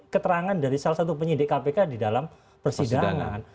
keterangan dari salah satu penyidik kpk di dalam persidangan